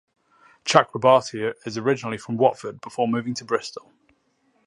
Chakrabarti is originally from Watford before moving to Bristol.